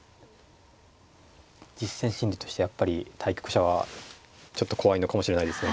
実戦心理としてやっぱり対局者はちょっと怖いのかもしれないですね